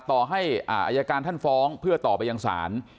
ต่อให้อายการท่านฟ้องเพื่อต่อไปยังศาล